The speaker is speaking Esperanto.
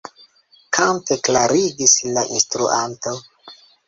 Kante klarigis la instruanto.